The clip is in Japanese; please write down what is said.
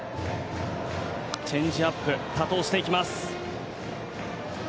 チェンジアップ多投していきます。